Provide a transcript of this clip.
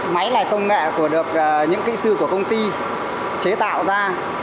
máy là công nghệ của được những kỹ sư của công ty chế tạo ra